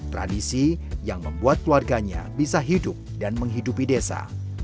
tradisi yang membuat keluarganya bisa hidup dan menghidupi desa